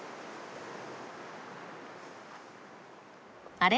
あれ？